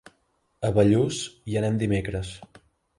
A Bellús hi anem dimecres.